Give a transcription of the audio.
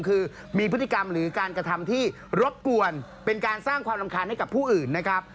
คือมีพฤติกรรมหรือการกระทำที่รบกวนเป็นการสร้างความรำคาญให้กับผู้อื่นนะครับ